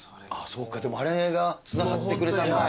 そっかあれがつながってくれたんだ。